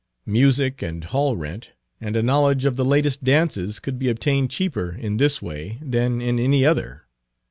Music and hall rent and a knowledge of the latest dances could be obtained cheaper in this way than in any other.